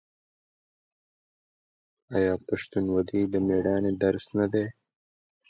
آیا پښتونولي د میړانې درس نه دی؟